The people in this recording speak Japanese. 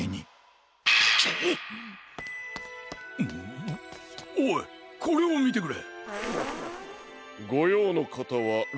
んおいこれをみてくれ！